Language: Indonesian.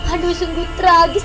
aduh sungguh tragis